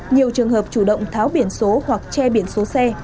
nhiều trường hợp chủ động tháo biển số hoặc che biển số xe